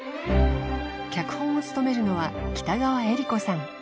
脚本を務めるのは北川悦吏子さん